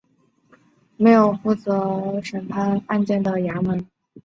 新召庙设有负责审判僧俗案件的衙门。